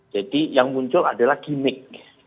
jadi yang muncul adalah gimmick